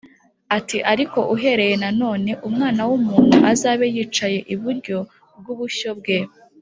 ati, “ariko uhereye none, umwana w’umuntu azaba yicaye iburyo bw’ubushyo bwe